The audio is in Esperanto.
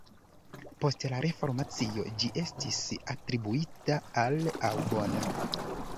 Post la reformacio ĝi estis atribuita al Aubonne.